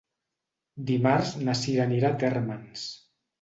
Dimarts na Cira anirà a Térmens.